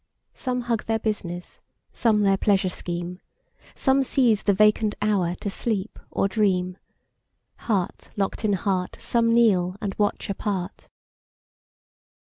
Some hug their business, some their pleasure scheme; Some seize the vacant hour to sleep or dream; Heart locked in heart some kneel and watch apart.